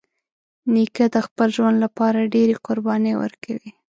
نیکه د خپل ژوند له پاره ډېری قربانۍ ورکوي.